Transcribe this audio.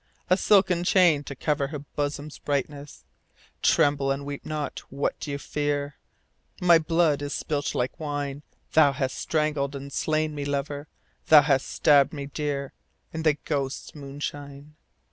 A silken chain, to cover Her bosom's brightness ? (Tremble and weep not : what dost thou fear ?)— My blood is spUt like wine, Thou hast strangled and slain me, lover. Thou hast stabbed me dear. In the ghosts' moonshine.